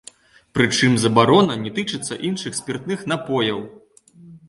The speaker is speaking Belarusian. Прычым забарона не тычыцца іншых спіртных напояў.